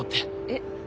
えっ？